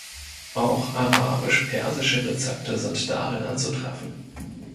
Auch arabisch-persische Rezepte sind darin anzutreffen.